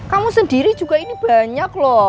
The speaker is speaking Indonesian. kamu sendiri juga ini banyak loh